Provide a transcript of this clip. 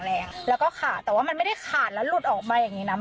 แล้วขาดแต่แต่ไม่ได้ขาดแล้วหลุดออกมาอย่างงี้น้า